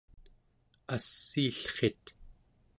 assiillrit